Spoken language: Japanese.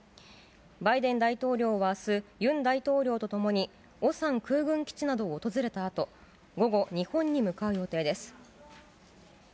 バイデン大統領はあす、ユン大統領と共に、オサン空軍基地などを訪れたあと、午後、日本に向かう予定です。